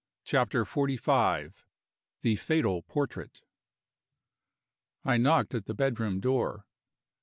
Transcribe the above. CHAPTER XLV. THE FATAL PORTRAIT. I knocked at the bedroom door.